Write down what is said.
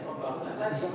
oh bahkan tadi